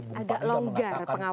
bumpa dulu mengatakan